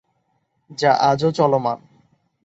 যা আজও চলমান।